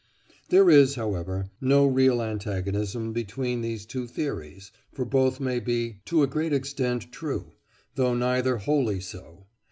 There is, however, no real antagonism between these two theories, for both may be to a great extent true, though neither wholly so.